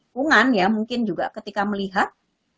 pungan ya mungkin juga ketika melihat